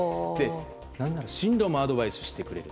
何なら進路もアドバイスしてくれる。